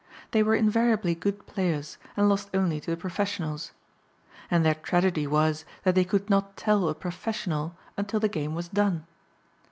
They were invariably good players and lost only to the professionals. And their tragedy was that they could not tell a professional until the game was done.